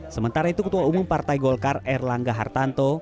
sementara itu ketua umum partai golkar erlangga hartanto